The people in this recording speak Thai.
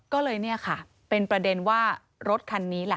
ก็เลยเป็นประเด็นว่ารถคันนี้